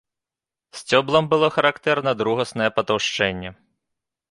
Сцёблам было характэрна другаснае патаўшчэнне.